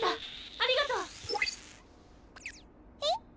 ありがとう。え？